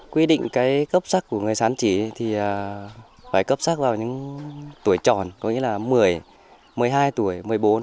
quy định cấp sắc của người sán chỉ thì phải cấp sắc vào những tuổi tròn có nghĩa là một mươi một mươi hai tuổi một mươi bốn một mươi sáu một mươi tám hai mươi hai mươi hai